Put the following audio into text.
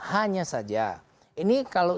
hanya saja ini kalau